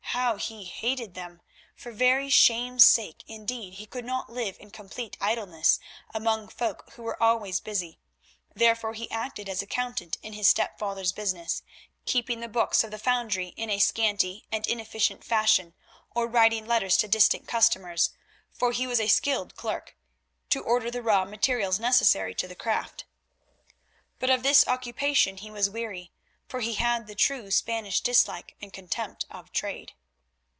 How he hated them! For very shame's sake, indeed, he could not live in complete idleness among folk who were always busy, therefore he acted as accountant in his stepfather's business, keeping the books of the foundry in a scanty and inefficient fashion, or writing letters to distant customers, for he was a skilled clerk, to order the raw materials necessary to the craft. But of this occupation he was weary, for he had the true Spanish dislike and contempt of trade.